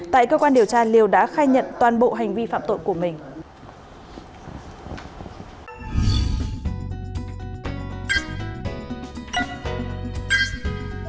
tại cơ quan điều tra liêu đã khai nhận toàn bộ hành vi phạm tội của mình